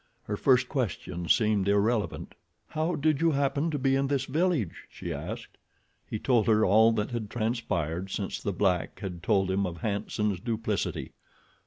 Her first question seemed irrelevant. "How did you happen to be in this village?" she asked. He told her all that had transpired since the black had told him of Hanson's duplicity.